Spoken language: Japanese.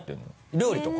料理とか？